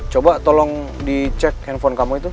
coba tolong dicek handphone kamu itu